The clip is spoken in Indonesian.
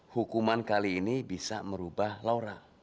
hukuman kali ini bisa merubah laura